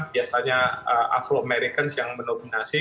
biasanya afro americans yang menominasi